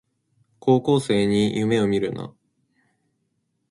高校生に夢をみるな